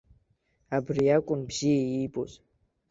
Абри акәын бзиа иибоз.